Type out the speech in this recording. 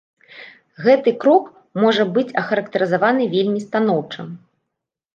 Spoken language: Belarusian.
Гэты крок можа быць ахарактарызаваны вельмі станоўча.